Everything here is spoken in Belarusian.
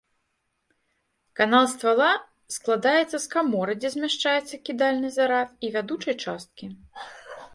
Канал ствала складаецца з каморы, дзе змяшчаецца кідальны зарад, і вядучай часткі.